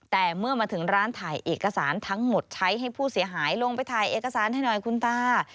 แต่เมื่อมาถึงร้านถ่ายเอกสารทั้งหมดใช้ให้ผู้เสียหายลงไปถ่ายเอกสารให้หน่อยคุณตา